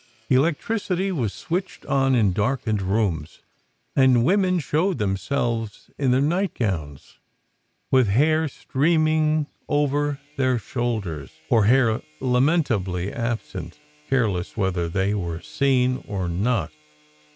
Electricity was switched on in darkened rooms, and women showed themselves in their nightgowns, with hair streaming over their shoulders, or hair lamentably absent, careless whether they were seen or not.